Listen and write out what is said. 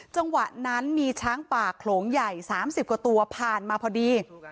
จังหวะนั้นมีช้างป่าโขลงใหญ่๓๐กว่าตัวผ่านมาพอดี